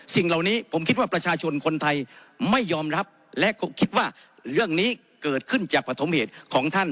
สิ่งเหล่านี้ผมคิดว่าประชาชนคนไทยไม่ยอมรับและก็คิดว่าเรื่องนี้เกิดขึ้นจากปฐมเหตุของท่าน